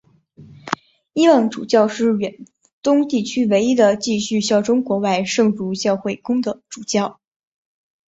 伊望主教是远东地区唯一继续效忠国外圣主教公会的主教。